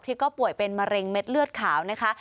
ก็ป่วยเป็นมะเร็งเม็ดเลือดขาวนะคะ